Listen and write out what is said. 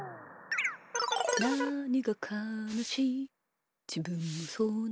「なにかかなしいじぶんもそうなのに」